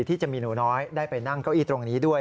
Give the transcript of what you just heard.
ที่จะมีหนูน้อยได้ไปนั่งเก้าอี้ตรงนี้ด้วย